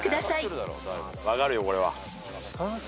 分かるよこれは。